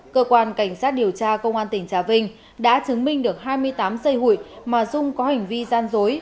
cơ quan cảnh sát điều tra công an tỉnh trà vinh đã chứng minh được hai mươi tám dây hụi mà dung có hành vi gian dối